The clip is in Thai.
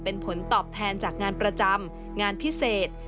เป็นผลตอบแทนจากงานประจำงานพิเศษ